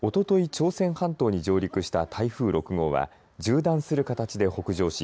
朝鮮半島に上陸した台風６号は縦断する形で北上し